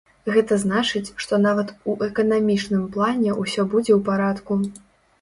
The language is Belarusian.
Гэта значыць, што нават у эканамічным плане ўсё будзе ў парадку.